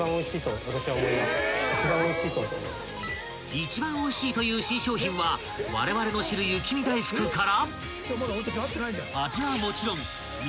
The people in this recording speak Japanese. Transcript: ［「一番おいしい」という新商品はわれわれの知る雪見だいふくから］